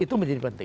itu menjadi penting